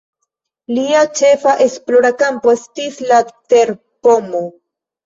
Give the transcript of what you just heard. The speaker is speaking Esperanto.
Lia ĉefa esplora kampo estis la terpomo.